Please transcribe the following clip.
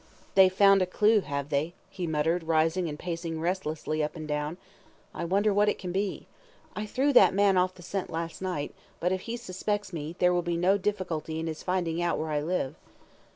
"They've found a clue, have they?" he muttered, rising and pacing restlessly up and down. "I wonder what it can be? I threw that man off the scent last night, but if he suspects me, there will be no difficulty in his finding out where I live.